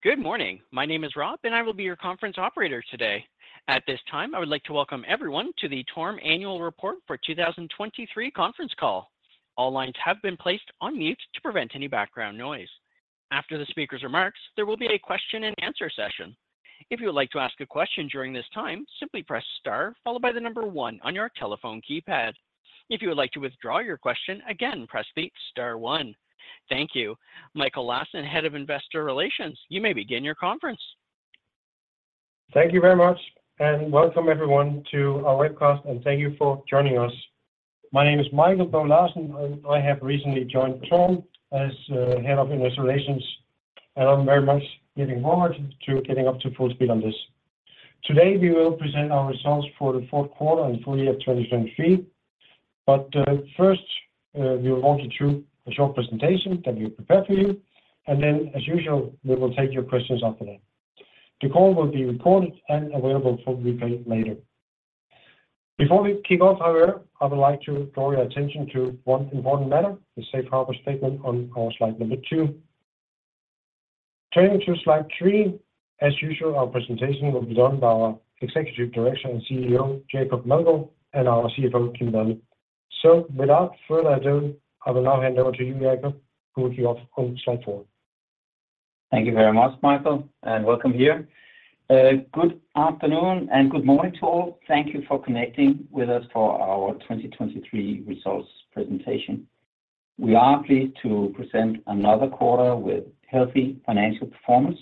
Good morning. My name is Rob, and I will be your conference operator today. At this time, I would like to welcome everyone to the TORM Annual Report for 2023 conference call. All lines have been placed on mute to prevent any background noise. After the speaker's remarks, there will be a question-and-answer session. If you would like to ask a question during this time, simply press star followed by the number one on your telephone keypad. If you would like to withdraw your question, again press the star one. Thank you. Mikael Larsen, Head of Investor Relations, you may begin your conference. Thank you very much, and welcome everyone to our webcast, and thank you for joining us. My name is Mikael Bo Larsen, and I have recently joined TORM as Head of Investor Relations, and I'm very much looking forward to getting up to full speed on this. Today we will present our results for the fourth quarter and full year of 2023, but first we will walk you through a short presentation that we've prepared for you, and then, as usual, we will take your questions after that. The call will be recorded and available for replay later. Before we kick off, however, I would like to draw your attention to one important matter: the Safe Harbor Statement on our slide number two. Turning to slide three, as usual, our presentation will be done by our Executive Director and CEO, Jacob Meldgaard, and our CFO, Kim Balle. Without further ado, I will now hand over to you, Jacob, who will kick off on slide four. Thank you very much, Mikael, and welcome here. Good afternoon and good morning to all. Thank you for connecting with us for our 2023 results presentation. We are pleased to present another quarter with healthy financial performance,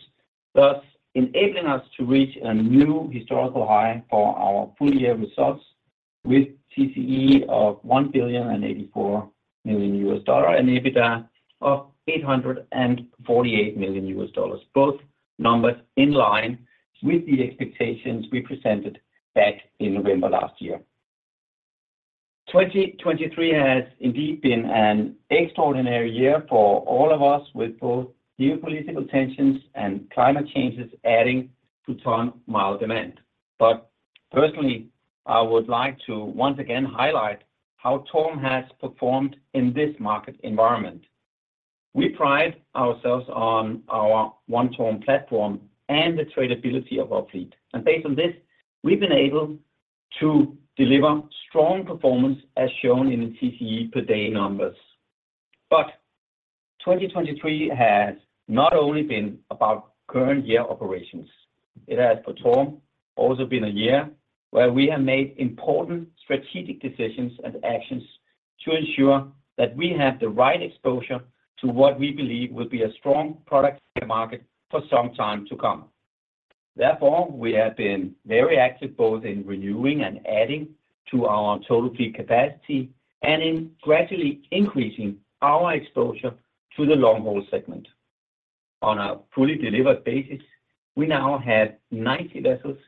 thus enabling us to reach a new historical high for our full year results with TCE of $1,084 million and EBITDA of $848 million, both numbers in line with the expectations we presented back in November last year. 2023 has indeed been an extraordinary year for all of us, with both geopolitical tensions and climate changes adding to ton-mile demand. But personally, I would like to once again highlight how TORM has performed in this market environment. We pride ourselves on our One TORM platform and the tradability of our fleet, and based on this, we've been able to deliver strong performance as shown in the TCE per day numbers. 2023 has not only been about current year operations. It has, for TORM, also been a year where we have made important strategic decisions and actions to ensure that we have the right exposure to what we believe will be a strong product tanker market for some time to come. Therefore, we have been very active both in renewing and adding to our total fleet capacity and in gradually increasing our exposure to the long-haul segment. On a fully delivered basis, we now have 90 vessels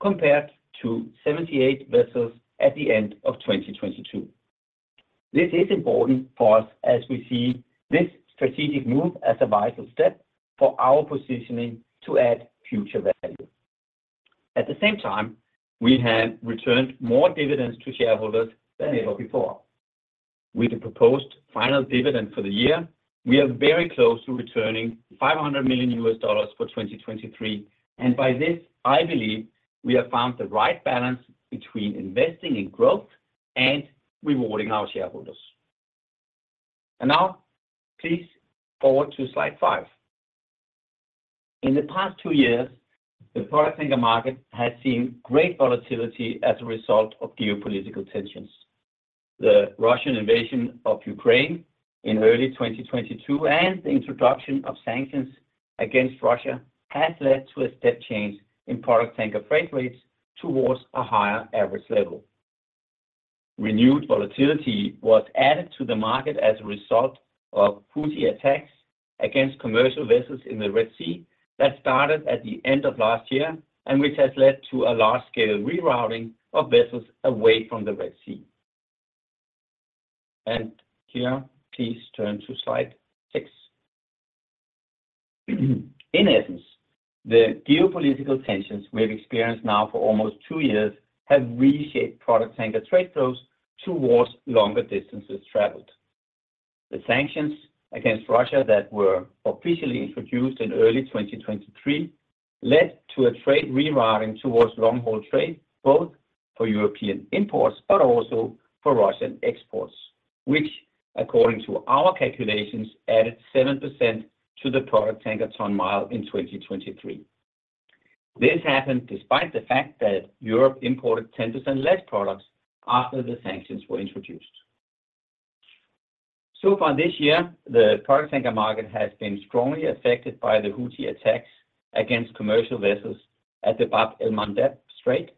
compared to 78 vessels at the end of 2022. This is important for us as we see this strategic move as a vital step for our positioning to add future value. At the same time, we have returned more dividends to shareholders than ever before. With the proposed final dividend for the year, we are very close to returning $500 million for 2023, and by this, I believe we have found the right balance between investing in growth and rewarding our shareholders. And now, please forward to slide five. In the past two years, the product tanker market has seen great volatility as a result of geopolitical tensions. The Russian invasion of Ukraine in early 2022 and the introduction of sanctions against Russia have led to a step change in product tanker freight rates towards a higher average level. Renewed volatility was added to the market as a result of Houthi attacks against commercial vessels in the Red Sea that started at the end of last year, and which has led to a large-scale rerouting of vessels away from the Red Sea. And here, please turn to slide six. In essence, the geopolitical tensions we have experienced now for almost two years have reshaped product tanker trade flows towards longer distances traveled. The sanctions against Russia that were officially introduced in early 2023 led to a trade rerouting towards long-haul trade, both for European imports but also for Russian exports, which, according to our calculations, added 7% to the product tanker ton-mile in 2023. This happened despite the fact that Europe imported 10% less products after the sanctions were introduced. So far this year, the product tanker market has been strongly affected by the Houthi attacks against commercial vessels at the Bab el-Mandeb Strait.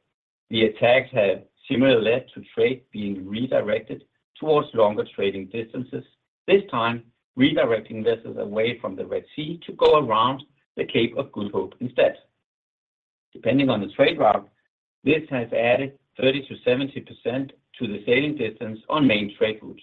The attacks have similarly led to trade being redirected towards longer trading distances, this time redirecting vessels away from the Red Sea to go around the Cape of Good Hope instead. Depending on the trade route, this has added 30%-70% to the sailing distance on main trade routes.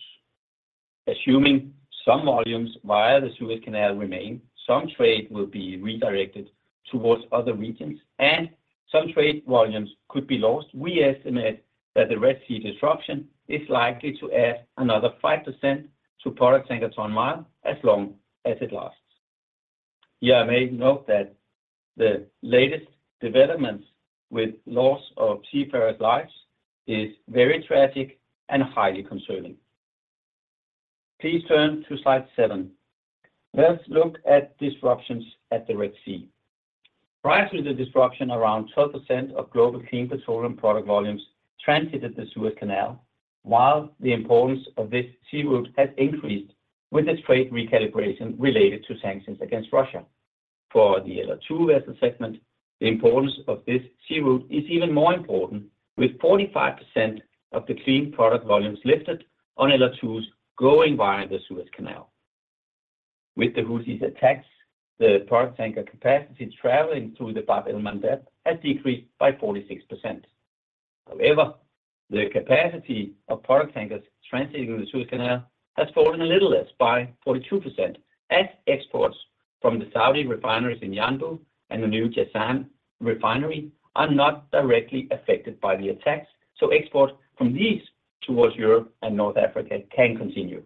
Assuming some volumes via the Suez Canal remain, some trade will be redirected towards other regions, and some trade volumes could be lost, we estimate that the Red Sea disruption is likely to add another 5% to product tanker ton-mile as long as it lasts. Here, I may note that the latest developments with loss of seafarers' lives are very tragic and highly concerning. Please turn to slide seven. Let's look at disruptions at the Red Sea. Prior to the disruption, around 12% of global clean petroleum product volumes transited the Suez Canal, while the importance of this sea route has increased with the trade recalibration related to sanctions against Russia. For the LR2 vessel segment, the importance of this sea route is even more important, with 45% of the clean product volumes lifted on LR2s going via the Suez Canal. With the Houthi attacks, the product tanker capacity traveling through the Bab el-Mandeb has decreased by 46%. However, the capacity of product tankers transiting the Suez Canal has fallen a little less, by 42%, as exports from the Saudi refineries in Yanbu and the new Jazan refinery are not directly affected by the attacks, so export from these towards Europe and North Africa can continue.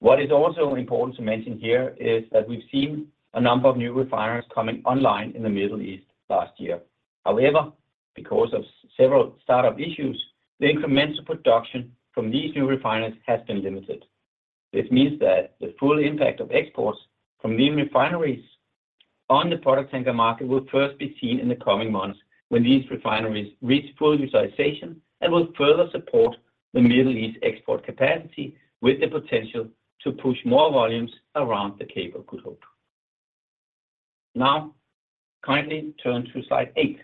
What is also important to mention here is that we've seen a number of new refineries coming online in the Middle East last year. However, because of several startup issues, the incremental production from these new refineries has been limited. This means that the full impact of exports from these refineries on the product tanker market will first be seen in the coming months when these refineries reach full utilization and will further support the Middle East export capacity with the potential to push more volumes around the Cape of Good Hope. Now, kindly turn to slide eight.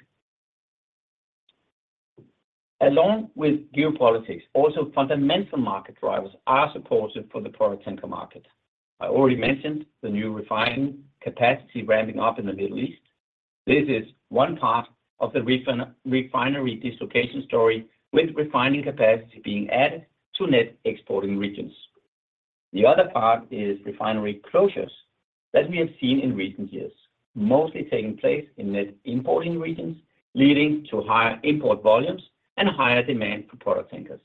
Along with geopolitics, also fundamental market drivers are supportive for the product tanker market. I already mentioned the new refining capacity ramping up in the Middle East. This is one part of the refinery dislocation story, with refining capacity being added to net exporting regions. The other part is refinery closures that we have seen in recent years, mostly taking place in net importing regions, leading to higher import volumes and higher demand for product tankers.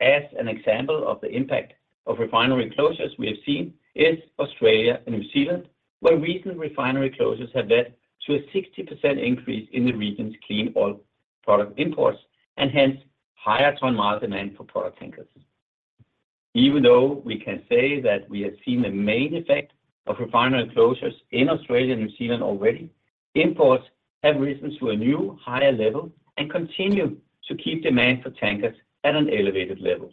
As an example of the impact of refinery closures we have seen is Australia and New Zealand, where recent refinery closures have led to a 60% increase in the region's clean oil product imports and hence higher ton-mile demand for product tankers. Even though we can say that we have seen the main effect of refinery closures in Australia and New Zealand already, imports have risen to a new higher level and continue to keep demand for tankers at an elevated level.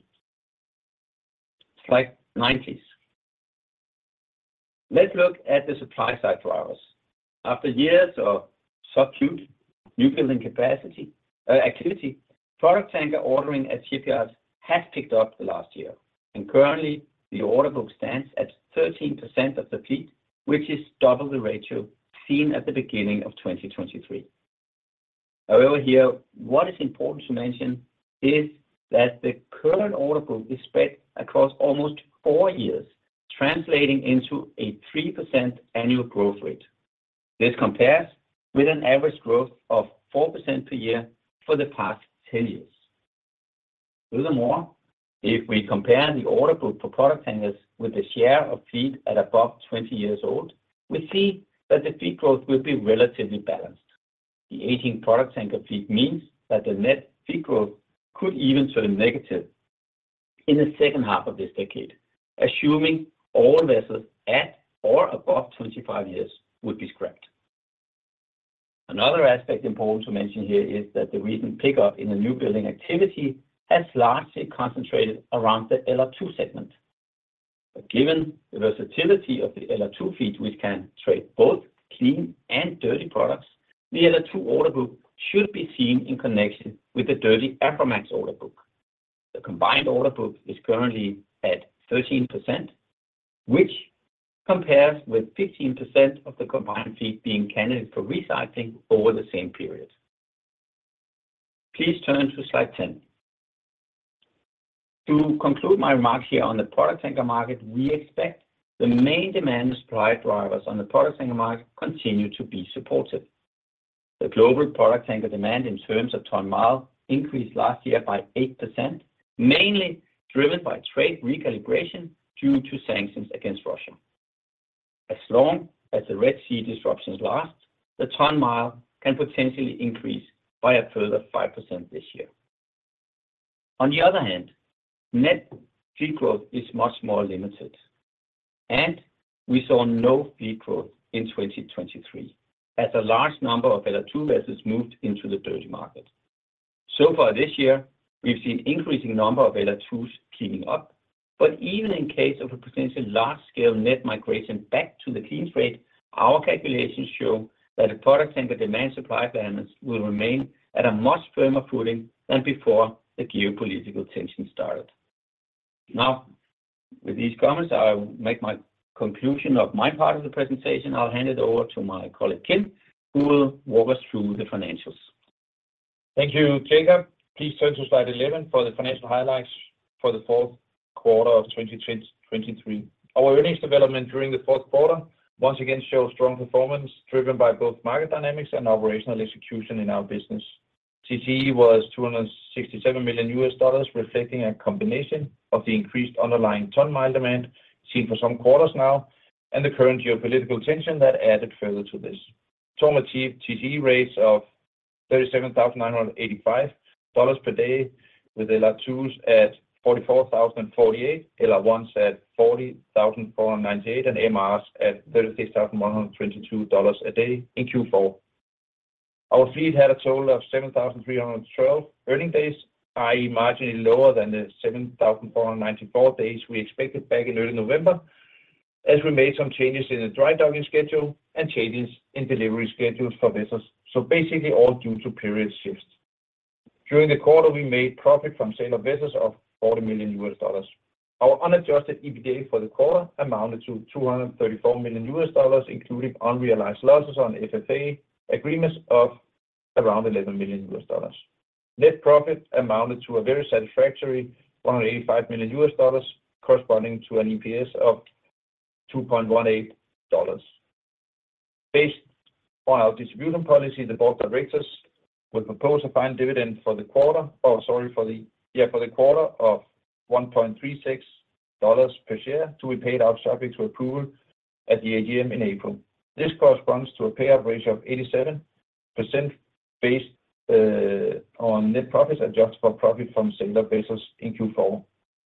Slide 9, please. Let's look at the supply-side drivers. After years of subdued newbuilding capacity activity, product tanker ordering at shipyards has picked up the last year, and currently the order book stands at 13% of the fleet, which is double the ratio seen at the beginning of 2023. However, here, what is important to mention is that the current order book is spread across almost 4 years, translating into a 3% annual growth rate. This compares with an average growth of 4% per year for the past 10 years. Furthermore, if we compare the order book for product tankers with the share of fleet at above 20 years old, we see that the fleet growth will be relatively balanced. The aging product tanker fleet means that the net fleet growth could even turn negative in the second half of this decade, assuming all vessels at or above 25 years would be scrapped. Another aspect important to mention here is that the recent pickup in the new building activity has largely concentrated around the LR2 segment. Given the versatility of the LR2 fleet, which can trade both clean and dirty products, the LR2 order book should be seen in connection with the dirty Aframax order book. The combined order book is currently at 13%, which compares with 15% of the combined fleet being candidates for recycling over the same period. Please turn to slide 10. To conclude my remarks here on the product tanker market, we expect the main demand and supply drivers on the product tanker market continue to be supportive. The global product tanker demand in terms of ton-mile increased last year by 8%, mainly driven by trade recalibration due to sanctions against Russia. As long as the Red Sea disruptions last, the ton-mile can potentially increase by a further 5% this year. On the other hand, net fleet growth is much more limited, and we saw no fleet growth in 2023 as a large number of LR2 vessels moved into the dirty market. So far this year, we've seen an increasing number of LR2s cleaning up, but even in case of a potential large-scale net migration back to the clean trade, our calculations show that the product tanker demand-supply balance will remain at a much firmer footing than before the geopolitical tensions started. Now, with these comments, I will make my conclusion of my part of the presentation. I'll hand it over to my colleague, Kim, who will walk us through the financials. Thank you, Jacob. Please turn to slide 11 for the financial highlights for the fourth quarter of 2023. Our earnings development during the fourth quarter once again shows strong performance driven by both market dynamics and operational execution in our business. TCE was $267 million, reflecting a combination of the increased underlying ton-mile demand seen for some quarters now and the current geopolitical tension that added further to this. TORM achieved TCE rates of $37,985 per day with LR2s at $44,048, LR1s at $40,498, and MRs at $36,122 a day in Q4. Our fleet had a total of 7,312 earning days, i.e., marginally lower than the 7,494 days we expected back in early November, as we made some changes in the dry docking schedule and changes in delivery schedules for vessels, so basically all due to period shifts. During the quarter, we made profit from sale of vessels of $40 million. Our unadjusted EBITDA for the quarter amounted to $234 million, including unrealized losses on FFA agreements of around $11 million. Net profit amounted to a very satisfactory $185 million, corresponding to an EPS of $2.18. Based on our distribution policy, the board of directors will propose a final dividend for the quarter of $1.36 per share to be paid out subject to approval at the AGM in April. This corresponds to a payout ratio of 87% based on net profits adjusted for profit from sale of vessels in Q4.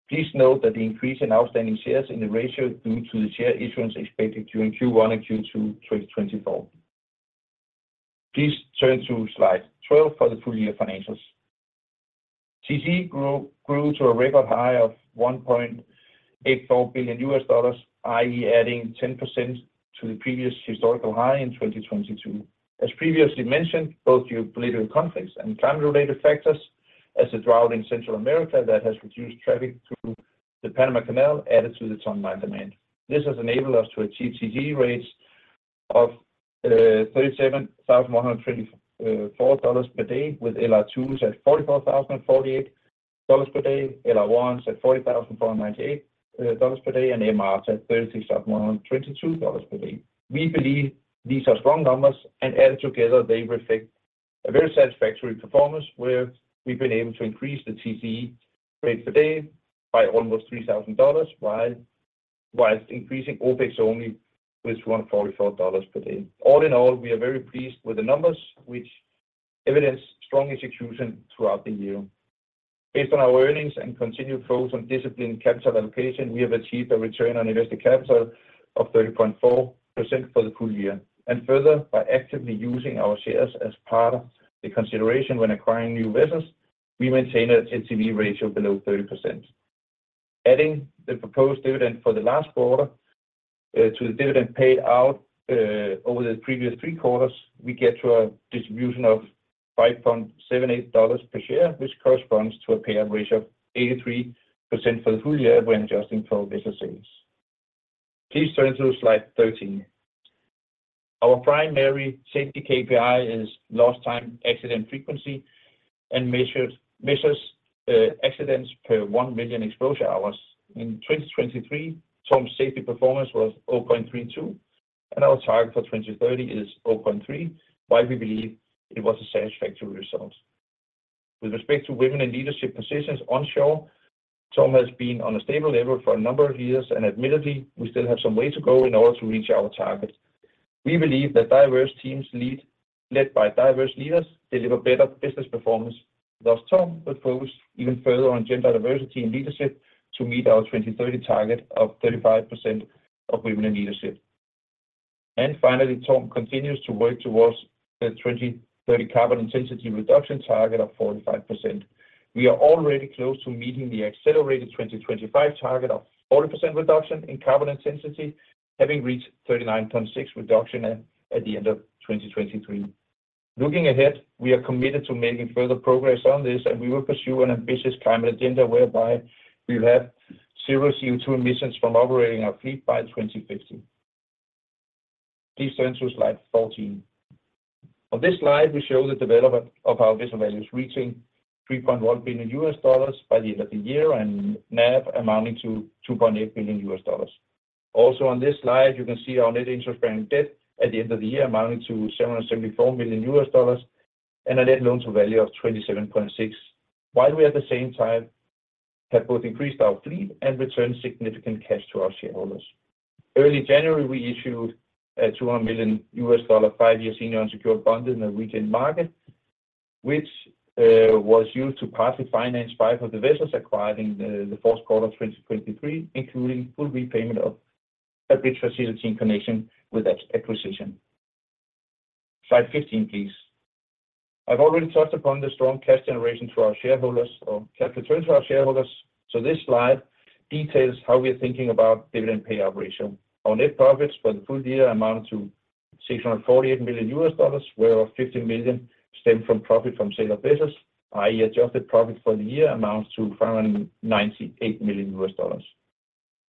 Please note that the increase in outstanding shares in the ratio is due to the share issuance expected during Q1 and Q2 2024. Please turn to slide 12 for the full-year financials. TCE grew to a record high of $1.84 billion, i.e., adding 10% to the previous historical high in 2022. As previously mentioned, both geopolitical conflicts and climate-related factors, as the drought in Central America that has reduced traffic through the Panama Canal added to the ton-mile demand. This has enabled us to achieve TCE rates of $37,124 per day with LR2s at $44,048 per day, LR1s at $40,498 per day, and MRs at $36,122 per day. We believe these are strong numbers, and added together, they reflect a very satisfactory performance, where we've been able to increase the TCE rate per day by almost $3,000 while increasing OPEX only with $244 per day. All in all, we are very pleased with the numbers, which evidence strong execution throughout the year. Based on our earnings and continued focus on disciplined capital allocation, we have achieved a return on invested capital of 30.4% for the full year. And further, by actively using our shares as part of the consideration when acquiring new vessels, we maintain a LTV ratio below 30%. Adding the proposed dividend for the last quarter to the dividend paid out over the previous three quarters, we get to a distribution of $5.78 per share, which corresponds to a payout ratio of 83% for the full year when adjusting for vessel sales. Please turn to slide 13. Our primary safety KPI is Lost Time Accident frequency and measures accidents per 1 million exposure hours. In 2023, TORM's safety performance was 0.32, and our target for 2030 is 0.3, while we believe it was a satisfactory result. With respect to women in leadership positions onshore, TORM has been on a stable level for a number of years, and admittedly, we still have some way to go in order to reach our target. We believe that diverse teams led by diverse leaders deliver better business performance. Thus, TORM would focus even further on gender diversity in leadership to meet our 2030 target of 35% of women in leadership. And finally, TORM continues to work towards the 2030 carbon intensity reduction target of 45%. We are already close to meeting the accelerated 2025 target of 40% reduction in carbon intensity, having reached 39.6% reduction at the end of 2023. Looking ahead, we are committed to making further progress on this, and we will pursue an ambitious climate agenda whereby we'll have zero CO2 emissions from operating our fleet by 2050. Please turn to slide 14. On this slide, we show the development of our vessel values reaching $3.1 billion by the end of the year and NAV amounting to $2.8 billion. Also, on this slide, you can see our net interest-bearing debt at the end of the year amounting to $774 million and a net loan to value of 27.6%, while we at the same time have both increased our fleet and returned significant cash to our shareholders. Early January, we issued a $200 million five-year senior unsecured bond in the Norwegian market, which was used to partly finance five of the vessels acquired in the fourth quarter of 2023, including full repayment of a bridge facility in connection with that acquisition. Slide 15, please. I've already touched upon the strong cash generation to our shareholders or cash return to our shareholders, so this slide details how we are thinking about dividend payout ratio. Our net profits for the full year amount to $648 million, whereof $50 million stem from profit from sail of vessels, i.e., adjusted profit for the year amounts to $598 million.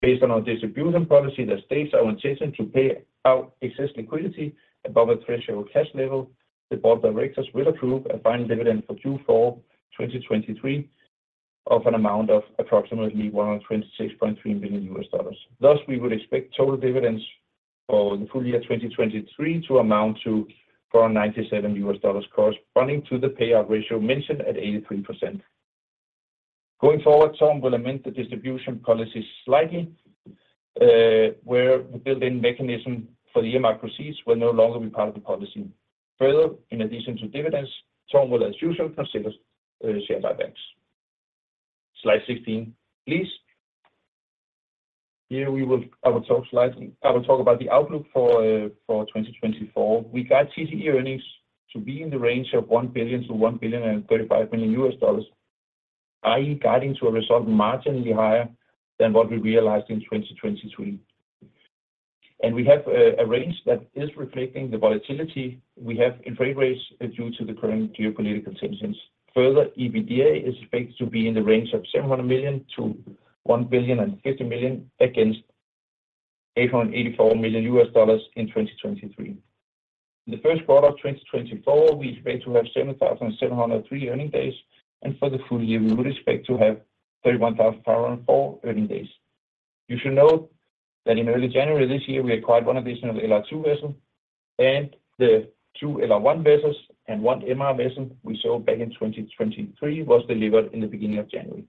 Based on our distribution policy that states our intention to pay out excess liquidity above a threshold cash level, the Board of Directors will approve a final dividend for Q4 2023 of an amount of approximately $126.3 million. Thus, we would expect total dividends for the full year 2023 to amount to $497 million, corresponding to the payout ratio mentioned at 83%. Going forward, TORM will amend the distribution policy slightly, where the built-in mechanism for the earmarked proceeds will no longer be part of the policy. Further, in addition to dividends, TORM will, as usual, consider share buybacks. Slide 16, please. Here, I will talk slightly about the outlook for 2024. We guide TCE earnings to be in the range of $1 billion-$1.035 billion, i.e., guiding to a result marginally higher than what we realized in 2023. We have a range that is reflecting the volatility we have in trade rates due to the current geopolitical tensions. Further, EBITDA is expected to be in the range of $700 million-$1.05 billion against $884 million in 2023. In the first quarter of 2024, we expect to have 7,703 earning days, and for the full year, we would expect to have 31,504 earning days. You should note that in early January this year, we acquired one additional LR2 vessel, and the two LR1 vessels and one MR vessel we saw back in 2023 were delivered in the beginning of January.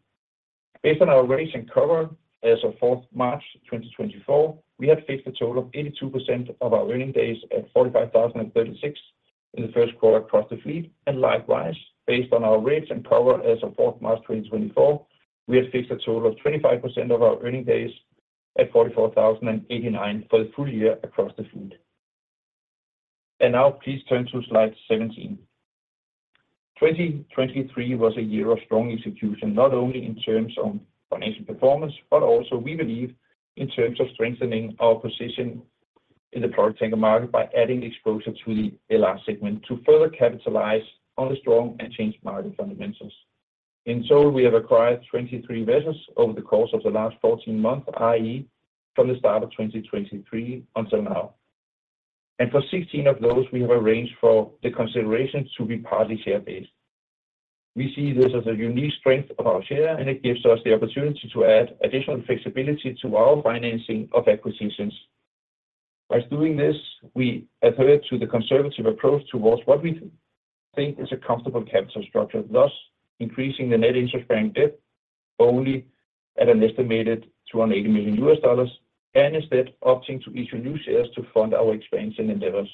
Based on our rates and cover as of 4 March 2024, we had fixed a total of 82% of our earning days at $45,036 in the first quarter across the fleet. Likewise, based on our rates and cover as of 4 March 2024, we had fixed a total of 25% of our earning days at $44,089 for the full year across the fleet. Now, please turn to slide 17. 2023 was a year of strong execution, not only in terms of financial performance but also, we believe, in terms of strengthening our position in the product tanker market by adding exposure to the LR segment to further capitalize on the strong and changed market fundamentals. In total, we have acquired 23 vessels over the course of the last 14 months, i.e., from the start of 2023 until now. For 16 of those, we have arranged for the consideration to be partly share-based. We see this as a unique strength of our share, and it gives us the opportunity to add additional flexibility to our financing of acquisitions. By doing this, we adhere to the conservative approach towards what we think is a comfortable capital structure, thus increasing the net interest-bearing debt only at an estimated $280 million and instead opting to issue new shares to fund our expansion endeavors.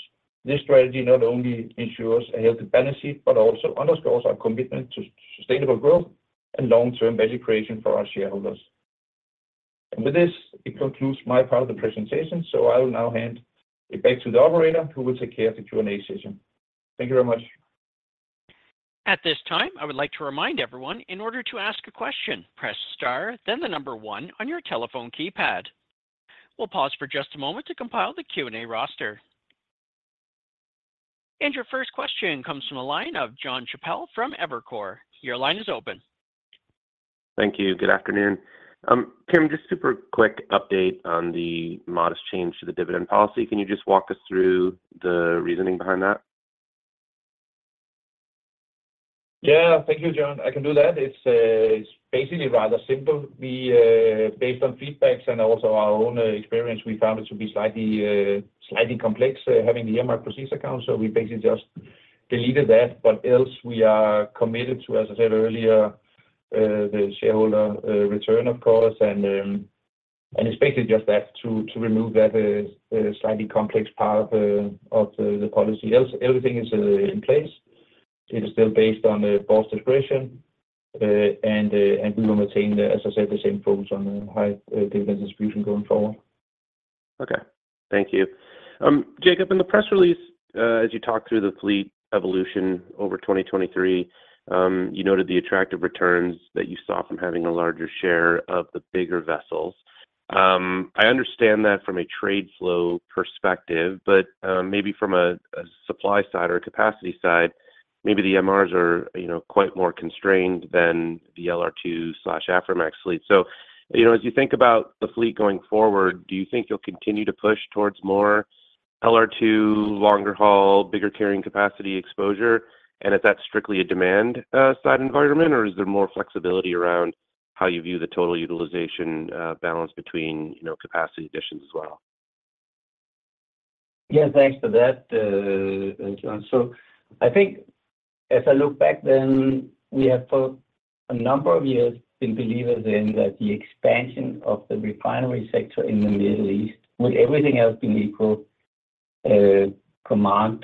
This strategy not only ensures a healthy balance sheet but also underscores our commitment to sustainable growth and long-term value creation for our shareholders. And with this, it concludes my part of the presentation, so I will now hand it back to the operator, who will take care of the Q&A session. Thank you very much. At this time, I would like to remind everyone, in order to ask a question, press star, then the number one on your telephone keypad. We'll pause for just a moment to compile the Q&A roster. Your first question comes from a line of Jonathan Chappell from Evercore ISI. Your line is open. Thank you. Good afternoon. Kim, just a super quick update on the modest change to the dividend policy. Can you just walk us through the reasoning behind that? Yeah. Thank you, John. I can do that. It's basically rather simple. Based on feedbacks and also our own experience, we found it to be slightly complex having the earmarked proceeds account, so we basically just deleted that. But else, we are committed to, as I said earlier, the shareholder return, of course, and it's basically just that, to remove that slightly complex part of the policy. Everything is in place. It is still based on the board's discretion, and we will maintain, as I said, the same focus on high dividend distribution going forward. Okay. Thank you. Jacob, in the press release, as you talked through the fleet evolution over 2023, you noted the attractive returns that you saw from having a larger share of the bigger vessels. I understand that from a trade flow perspective, but maybe from a supply side or a capacity side, maybe the MRs are quite more constrained than the LR2/Aframax fleet. So as you think about the fleet going forward, do you think you'll continue to push towards more LR2, longer haul, bigger carrying capacity exposure? And is that strictly a demand-side environment, or is there more flexibility around how you view the total utilization balance between capacity additions as well? Yeah. Thanks for that. Thank you, John. So I think as I look back, then we have for a number of years been believers in that the expansion of the refinery sector in the Middle East, with everything else being equal, commands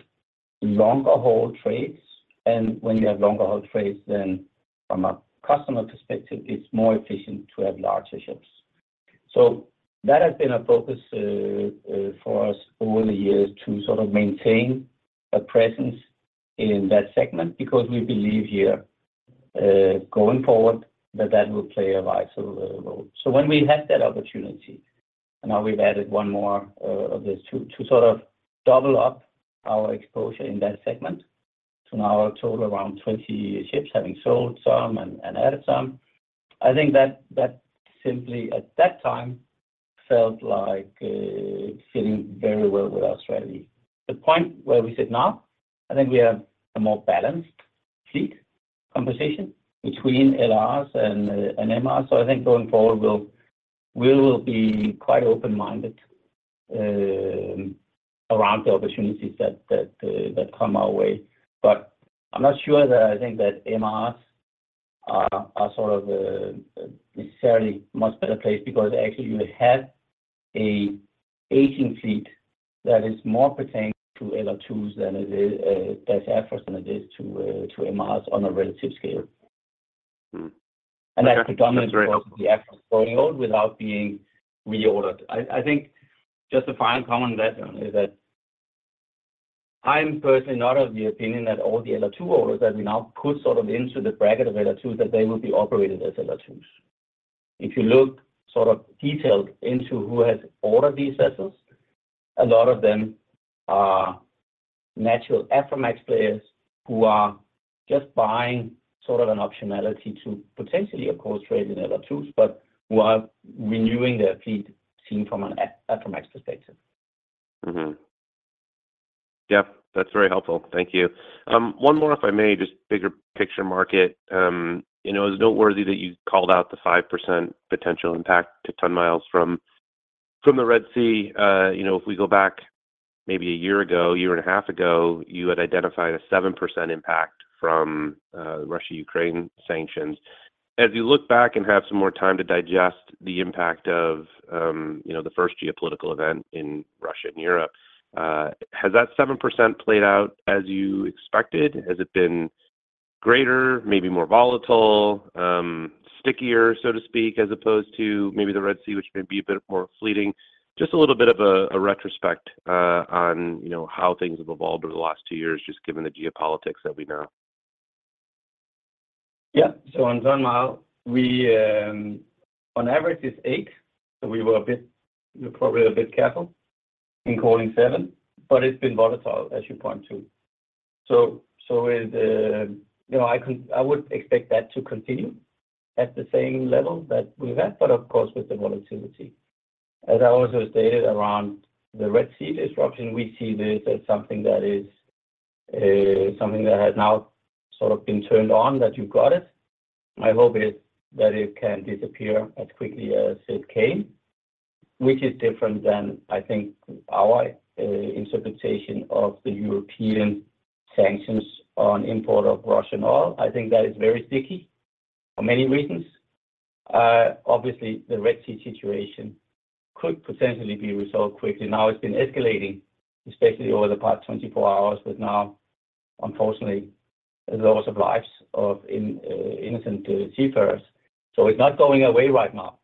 longer haul trades. And when you have longer haul trades, then from a customer perspective, it's more efficient to have larger ships. So that has been a focus for us over the years to sort of maintain a presence in that segment because we believe here, going forward, that that will play a vital role. So when we had that opportunity - and now we've added one more of these - to sort of double up our exposure in that segment to now total around 20 ships, having sold some and added some, I think that simply, at that time, felt like fitting very well with our strategy. The point where we sit now, I think we have a more balanced fleet composition between LRs and MRs. So I think going forward, we'll be quite open-minded around the opportunities that come our way. But I'm not sure that I think that MRs are sort of necessarily a much better place because, actually, you have an aging fleet that is more pertaining to LR2s than it is that's at risk than it is to MRs on a relative scale. And that predominantly goes to the at-risk orderbook without being reordered. I think just a final comment on that, John, is that I'm personally not of the opinion that all the LR2 orders that we now put sort of into the bracket of LR2s, that they will be operated as LR2s. If you look sort of detailed into who has ordered these vessels, a lot of them are natural Aframax players who are just buying sort of an optionality to potentially of course trade in LR2s but who are renewing their fleet team from an Aframax perspective. Yep. That's very helpful. Thank you. One more, if I may, just bigger picture market. It was noteworthy that you called out the 5% potential impact to ton-miles from the Red Sea. If we go back maybe a year ago, year and a half ago, you had identified a 7% impact from Russia-Ukraine sanctions. As you look back and have some more time to digest the impact of the first geopolitical event in Russia and Europe, has that 7% played out as you expected? Has it been greater, maybe more volatile, stickier, so to speak, as opposed to maybe the Red Sea, which may be a bit more fleeting? Just a little bit of a retrospect on how things have evolved over the last two years, just given the geopolitics that we know. Yeah. So on ton-mile, on average, it's 8. So we were probably a bit careful in calling 7, but it's been volatile, as you point to. So I would expect that to continue at the same level that we've had, but of course, with the volatility. As I also stated, around the Red Sea disruption, we see this as something that is something that has now sort of been turned on, that you've got it. My hope is that it can disappear as quickly as it came, which is different than, I think, our interpretation of the European sanctions on import of Russian oil. I think that is very sticky for many reasons. Obviously, the Red Sea situation could potentially be resolved quickly. Now, it's been escalating, especially over the past 24 hours, with now, unfortunately, the loss of lives of innocent seafarers. It's not going away right now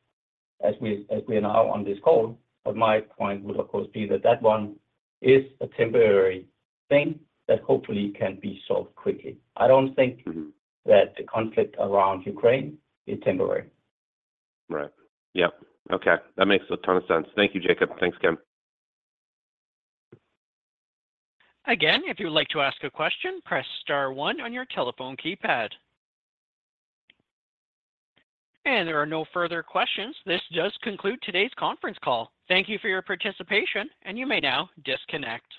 as we are now on this call. But my point would, of course, be that that one is a temporary thing that hopefully can be solved quickly. I don't think that the conflict around Ukraine is temporary. Right. Yep. Okay. That makes a ton of sense. Thank you, Jacob. Thanks, Kim. Again, if you would like to ask a question, press star one on your telephone keypad. There are no further questions. This does conclude today's conference call. Thank you for your participation, and you may now disconnect.